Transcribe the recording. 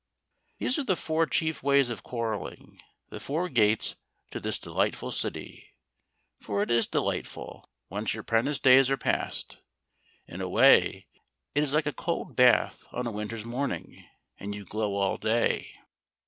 These are the four chief ways of quarrelling, the four gates to this delightful city. For it is delightful, once your 'prentice days are past. In a way it is like a cold bath on a winter's morning, and you glow all day.